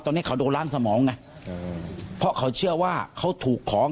ตอนนี้เขาโดรนะสมองนเนี่ยเพราะเขาเชื่อว่าเขาถูกของ